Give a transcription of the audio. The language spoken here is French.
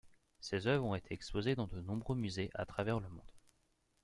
Ses œuvres ont été exposées dans de nombreux musées à travers le monde.